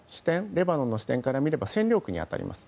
レバノンの視点から見れば占領区に当たります。